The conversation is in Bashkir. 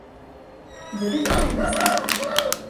Дөрөҫмө, Әнисә?